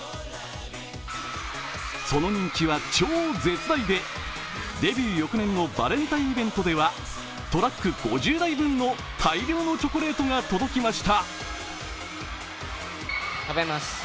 その人気は超絶大で、デビュー翌年のバレンタインイベントではトラック５０台分の大量のチョコレートが届きました。